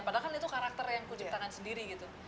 padahal kan itu karakter yang kucip tangan sendiri gitu